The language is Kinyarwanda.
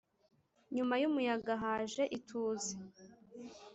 nyuma yumuyaga haje ituze